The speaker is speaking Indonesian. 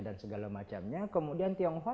dan segala macamnya kemudian tionghoa